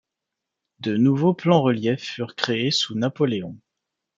De nouveaux plans-reliefs furent créés sous Napoléon.